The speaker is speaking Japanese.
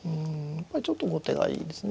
やっぱりちょっと後手がいいですね。